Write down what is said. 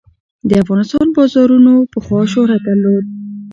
د افغانستان بازارونو پخوا شهرت درلود.